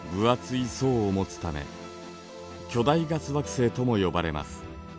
層を持つため巨大ガス惑星とも呼ばれます。